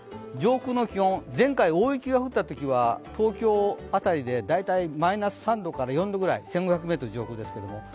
上空の気温、前回、大雪が降ったときは東京辺りで大体マイナス３度から４度、１５００ｍ上空ですけれども。